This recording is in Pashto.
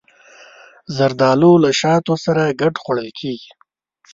زردالو له شاتو سره ګډ خوړل کېږي.